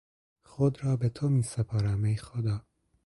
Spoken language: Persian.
خود را به تو میسپارم ای خدا!